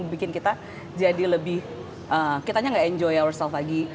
bikin kita jadi lebih kitanya gak enjoy ourself lagi